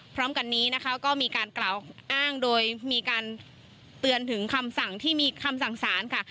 พร้อมกันนี้นะคะก็มีการกล่าวอ้างโดยมีการเตือนถึงคำสั่งที่มีคำสั่งสารค่ะ